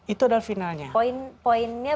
itu adalah finalnya poin poinnya